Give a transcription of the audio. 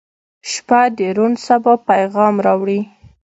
• شپه د روڼ سبا پیغام راوړي.